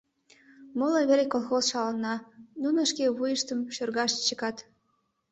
Моло вере колхоз шалана, нуно шке вуйыштым шӧргаш чыкат.